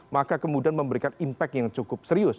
maka kemudian memberikan impact yang cukup serius